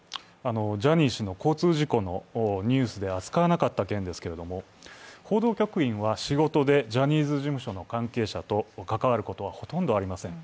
ジャニー氏の交通事故のニュースで扱わなかった件ですけど報道局員は仕事でジャニーズ事務所の関係者と関わることはほとんどありません。